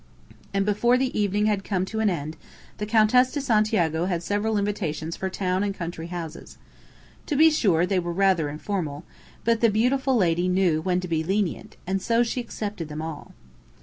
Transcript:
And before the evening had come to an end the Countess de Santiago had had several invitations for town and country houses. To be sure, they were rather informal. But the beautiful lady knew when to be lenient, and so she accepted them all.